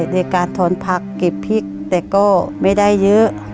ในการถอนผักเก็บพริกแต่ก็ไม่ได้เยอะ